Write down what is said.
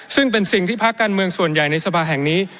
ซึ่งเป็นสิ่งที่ภาคการเมืองส่วนใหญ่ในสภาแห่งนี้